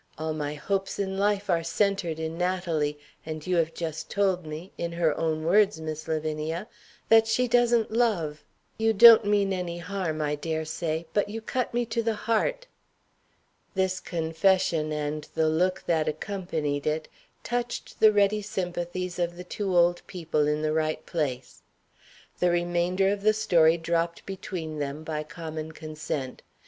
All my hopes in life are centered in Natalie; and you have just told me (in her own words, Miss Lavinia) that she doesn't love. You don't mean any harm, I dare say; but you cut me to the heart." This confession, and the look that accompanied it, touched the ready sympathies of the two old people in the right place. The remainder of the story dropped between them by common consent.